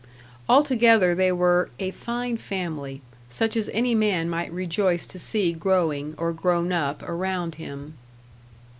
Altogether, they were "a fine family," such as any man might rejoice to see growing, or grown up, around him.